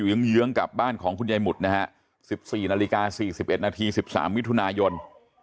อยู่อย่างเยื้องกับบ้านของคุณใยหมุดนะฮะ๑๔นาฬิกา๔๑นาที๑๓วิทยุนายน